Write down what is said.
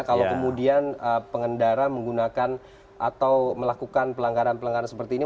kalau kemudian pengendara menggunakan atau melakukan pelanggaran pelanggaran seperti ini